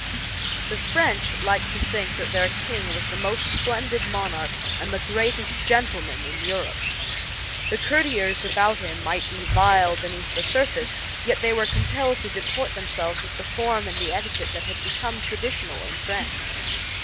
The French, liked to think that their king was the most splendid monarch and the greatest gentleman in Europe. The courtiers about him might be vile beneath the surface, yet they were compelled to deport themselves with the form and the etiquette that had become traditional in France.